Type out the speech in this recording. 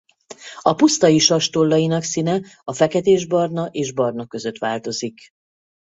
A pusztai sas tollainak színe a feketésbarna és barna között változik.